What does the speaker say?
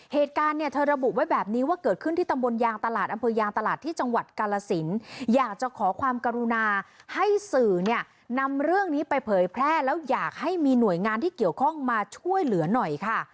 เหตุการณ์เนี่ยเธอระบุไว้แบบนี้ว่าเกิดขึ้นที่ตำบลยางตลาดอำเภอยางตลาดที่จังหวัดกาลสินอยากจะขอความกรุณาให้สื่อเนี่ยนำเรื่องนี้ไปเผยแพร่แล้วอยากให้มีหน่วยงานที่เกี่ยวข้องมาช่วยเหลือหน่อยค่ะ